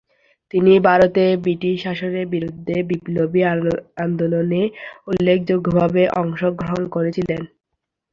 তিনি ভারতে ব্রিটিশ শাসনের বিরুদ্ধে বিপ্লবী আন্দোলনে উল্লেখযোগ্যভাবে অংশ গ্রহণ করেছিলেন।